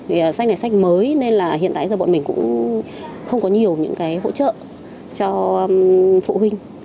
vì sách này sách mới nên là hiện tại giờ bọn mình cũng không có nhiều những cái hỗ trợ cho phụ huynh